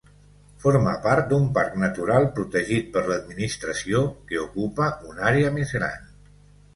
Forma part d'un parc natural protegit per l'administració que ocupa una àrea més gran.